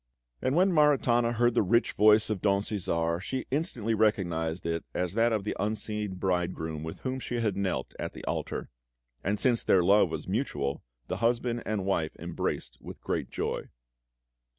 And when Maritana heard the rich voice of Don Cæsar she instantly recognised it as that of the unseen bridegroom with whom she had knelt at the altar; and since their love was mutual, the husband and wife embraced with great joy.